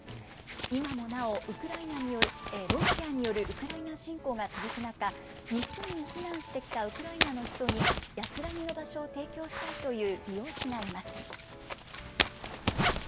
今もなおロシアによるウクライナ侵攻が続く中、日本に避難してきたウクライナの人に安らぎの場所を提供したいという美容師がいます。